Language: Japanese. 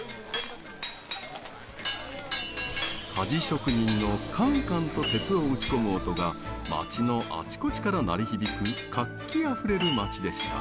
鍛冶職人のカンカンと鉄を打ち込む音が街のあちこちから鳴り響く活気あふれる町でした。